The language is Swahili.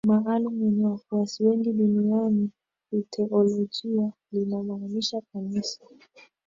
maalumu yenye wafuasi wengi duniani Kiteolojia linamaanisha Kanisa